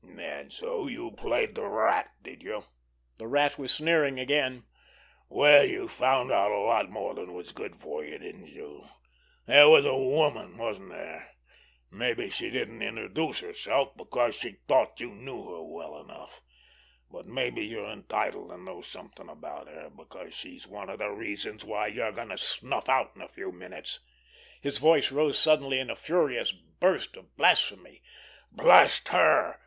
"And so you played the Rat, did you?" The Rat was sneering again. "Well, you found out a lot more than was good for you, didn't you? There was a woman, wasn't there? Maybe she didn't introduce herself because she thought you knew her well enough; but maybe you're entitled to know something about her, because she's one of the reasons why you're going to snuff out in a few minutes." His voice rose suddenly in a furious burst of blasphemy. "Blast her!"